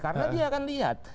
karena dia akan lihat